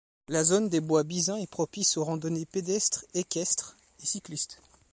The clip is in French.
La zone des Bois Bizin est propice aux randonnées pédestre, équestre et cycliste.